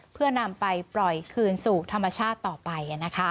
เพื่อนำไปปล่อยคืนสู่ธรรมชาติต่อไป